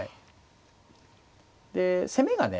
で攻めがね